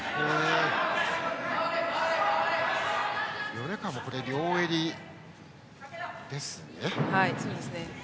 米川も両襟です。